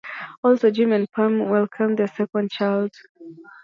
Also, Jim and Pam welcome their second child.